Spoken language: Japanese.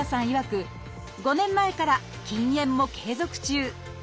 いわく５年前から禁煙も継続中。